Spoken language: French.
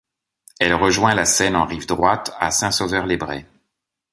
Elle rejoint la Seine en rive droite à Saint-Sauveur-lès-Bray.